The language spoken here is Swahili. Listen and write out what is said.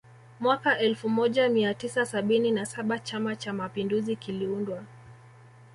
Mwaka elfu moja mia tisa sabini na saba Chama Cha Mapinduzi kiliundwa